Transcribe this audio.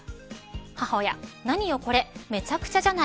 母親何よこれめちゃくちゃじゃない。